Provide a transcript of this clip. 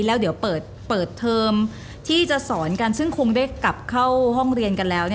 แล้วเดี๋ยวเปิดเทอมที่จะสอนกันซึ่งคงได้กลับเข้าห้องเรียนกันแล้ว